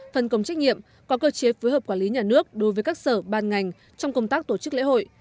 phân công trách nhiệm có cơ chế phối hợp quản lý nhà nước đối với các sở ban ngành trong công tác tổ chức lễ hội